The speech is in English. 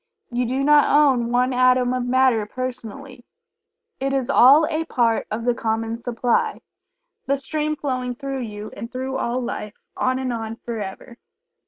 You do not own one atom of matter personally, it is all a part of the common supply, the stream flowing through you and through all Life, on and on forever.